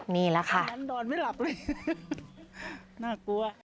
นี่แหละค่ะฉันนอนไม่หลับเลยน่ากลัว